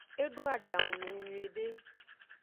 Edo adangu nung nyiude.